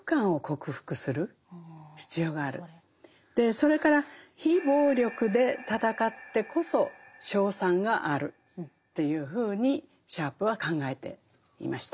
それから非暴力で戦ってこそ勝算があるっていうふうにシャープは考えていました。